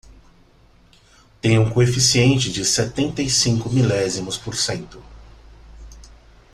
Tem um coeficiente de setenta e cinco milésimos por cento.